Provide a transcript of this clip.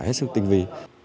hết sức tinh vi